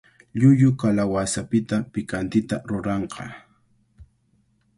Llullu kalawasapita pikantita ruranqa.